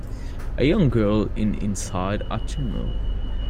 A young girl in inside a tunnel.